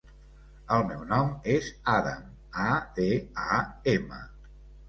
El meu nom és Adam: a, de, a, ema.